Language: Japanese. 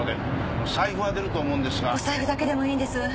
お財布だけでもいいんです。